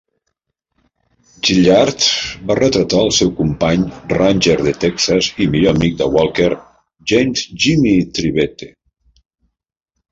Gilyard va retratar el seu company Ranger de Texas i millor amic de Walker, James "Jimmy" Trivette.